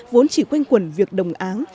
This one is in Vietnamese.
vốn chỉ quen quẩn việc đồng áng